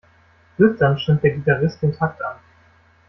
Flüsternd stimmt der Gitarrist den Takt an.